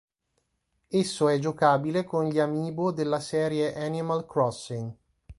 Esso è giocabile con gli amiibo della serie "Animal Crossing".